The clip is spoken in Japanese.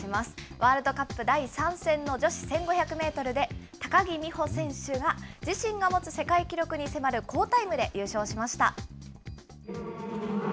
ワールドカップ第３戦の女子１５００メートルで、高木美帆選手が、自身が持つ世界記録に迫る好タイムで優勝しました。